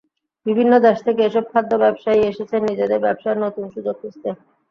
বিভিন্ন দেশ থেকে এসব খাদ্য ব্যবসায়ী এসেছেন নিজেদের ব্যবসার নতুন সুযোগ খুঁজতে।